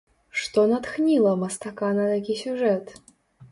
Што натхніла мастака на такі сюжэт?